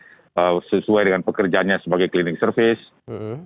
mungkin dengan bersinggungan dengan sesuai dengan pekerjaannya sebagai cleaning service